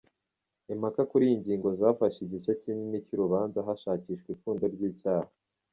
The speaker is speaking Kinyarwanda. Impaka kuri iyi ngingo zafashe igice kinini cy’urubanza hashakishwa ipfundo ry’icyaha.